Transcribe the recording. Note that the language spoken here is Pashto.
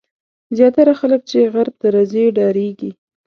زیاتره خلک چې غرب ته راځي ډارېږي.